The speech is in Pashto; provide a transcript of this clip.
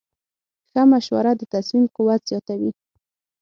ښه مشوره د تصمیم قوت زیاتوي.